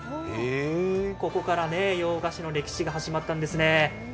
ここから洋菓子の歴史が始まったんですね。